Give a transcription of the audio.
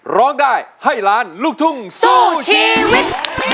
ร้องได้ให้ล้านลูกทุ่งสู้ชีวิต